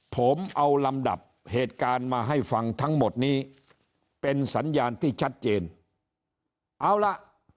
ผมเอาลำดับเหตุการณ์มาให้ฟังทั้งหมดนี้เป็นสัญญาณที่ชัดเจนเอาล่ะ